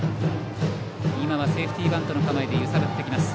今はセーフティーバントの構えで揺さぶってきます。